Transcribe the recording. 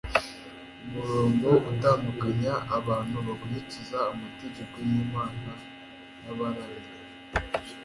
umurongo utandukanya abantu bakurikiza amategeko yImana nabaramya